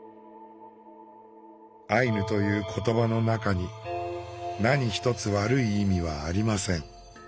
アイヌという言葉の中に何一つ悪い意味はありません。